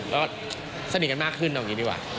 ก็สนิทกันมากขึ้นเอาอย่างนี้ดีกว่า